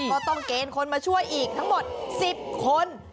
ก็ต้องเกณฑ์คนมาช่วยอีกทั้งหมด๑๐คน